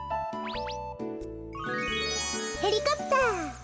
ヘリコプター！